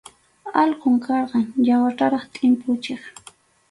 Alqum karqan, yawartaraq tʼimpuchiq.